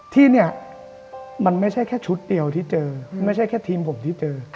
ที่เนี่ยมันไม่ใช่แค่ชุดเดียวที่เจอไม่ใช่แค่ทีมผมที่เจอ